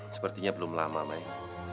sepertinya belum lama maik